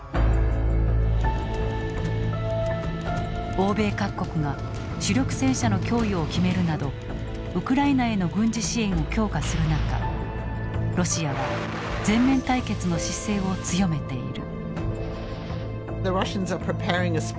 欧米各国が主力戦車の供与を決めるなどウクライナへの軍事支援を強化する中ロシアは全面対決の姿勢を強めている。